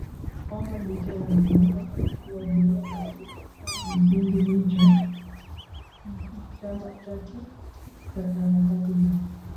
kwamba licha ya Lumumba kuwa jela katika kipindi hicho chama chake cha harakati za